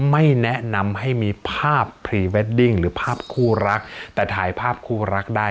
ไม่แนะนำให้มีภาพพรีเวดดิ้งหรือภาพคู่รักแต่ถ่ายภาพคู่รักได้